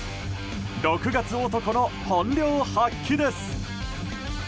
６月男の本領発揮です。